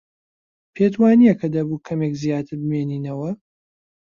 پێت وانییە کە دەبوو کەمێک زیاتر بمێنینەوە؟